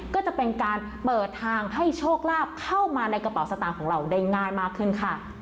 ก็จะเป็นการเปิดทางให้โชคลาภเข้ามาในกระเป๋าสตางค์ของเราได้ง่ายมากขึ้นค่ะ